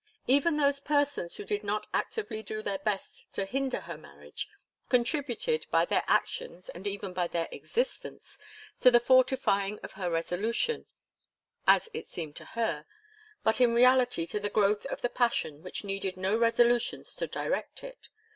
Even those persons who did not actively do their best to hinder her marriage, contributed, by their actions and even by their existence, to the fortifying of her resolution, as it seemed to her, but in reality to the growth of the passion which needed no resolutions to direct it.